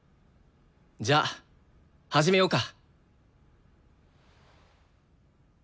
じゃあ始めようか。